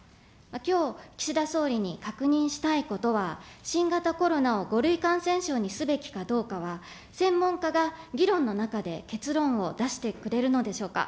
きょう、岸田総理に確認したいことは、新型コロナを５類感染症にすべきかどうかは専門家が議論の中で結論を出してくれるのでしょうか。